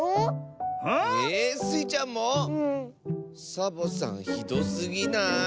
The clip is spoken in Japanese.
サボさんひどすぎない？